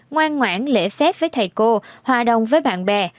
ngoan ngoãn lễ phép với thầy cô hòa đồng với bạn bè